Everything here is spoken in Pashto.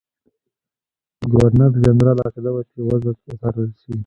ګورنرجنرال عقیده وه چې وضع وڅارله شي.